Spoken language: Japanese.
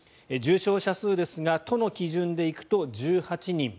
重症者数ですが都の基準で行くと１８人。